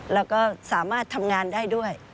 แล้วก็สามารถทำงานได้ด้วย